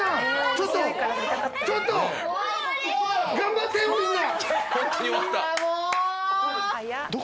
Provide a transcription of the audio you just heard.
ちょっとちょっと！頑張ってよみんな。